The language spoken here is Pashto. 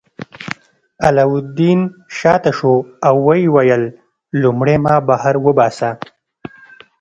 علاوالدین شاته شو او ویې ویل لومړی ما بهر وباسه.